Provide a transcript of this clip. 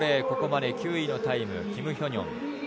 ここまで９位のタイムキム・ヒョニョン。